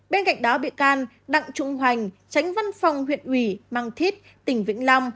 bên cạnh đó biện can đặng trụng hoành tránh văn phòng huyện ủy mang thít tỉnh vĩnh long